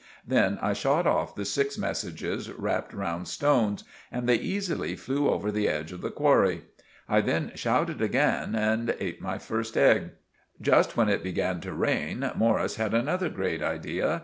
Then I shot off the six messages rapped round stones, and they eesily flew over the edge of the qwarry. I then shouted again and eat my first egg. Just when it began to rain Morris had another grate idea.